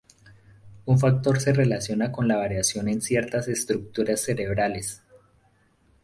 Un factor se relaciona con la variación en ciertas estructuras cerebrales.